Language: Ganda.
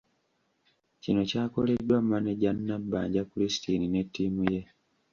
Kino kyakoleddwa Maneja Nabbanja Christine ne ttiimu ye.